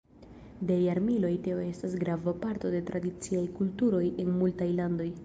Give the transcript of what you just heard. De jarmiloj teo estas grava parto de tradiciaj kulturoj en multaj landoj.